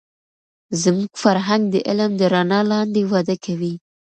زموږ فرهنگ د علم د رڼا لاندې وده کوي.